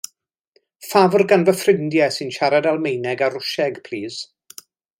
Ffafr gan fy ffrindiau sy'n siarad Almaeneg a Rwsieg plîs.